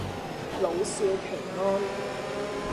老少平安